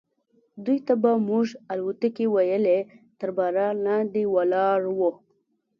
دوی ته به موږ الوتکې ویلې، تر باران لاندې ولاړ و.